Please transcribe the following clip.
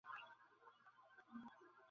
তুমি যদি যাও পর্বতে, আমি যাব সমুদ্রে।